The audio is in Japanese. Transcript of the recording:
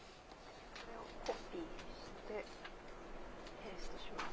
これをコピーして、ペーストします。